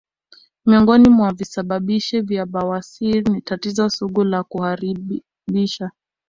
Miongoni mwa visababishi vya bawasir ni tatizo sugu la kuharisha